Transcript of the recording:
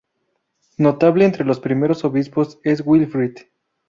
Notable entre los primeros obispos es Wilfrid.